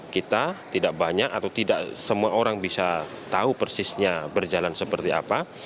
kita tidak banyak atau tidak semua orang bisa tahu persisnya berjalan seperti apa